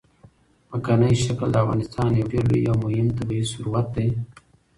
ځمکنی شکل د افغانستان یو ډېر لوی او مهم طبعي ثروت دی.